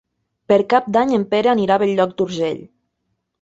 Per Cap d'Any en Pere anirà a Bell-lloc d'Urgell.